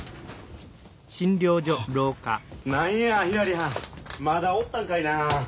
あ何やひらりはんまだおったんかいな。